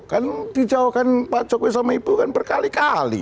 kan dijauhkan pak jokowi sama ibu kan berkali kali